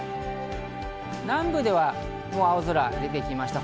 南部では青空が出てきました。